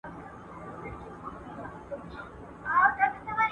د خوارانو لاس به درسي تر ګرېوانه.